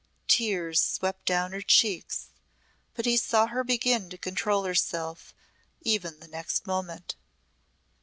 Tears swept down her cheeks but he saw her begin to control herself even the next moment.